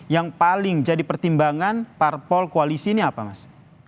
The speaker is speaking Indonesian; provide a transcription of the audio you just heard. yang paling jadi pertimbangan parpol koalisi ini apa mas